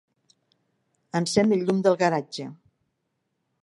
Encén el llum del garatge.